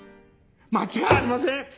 間違いありません！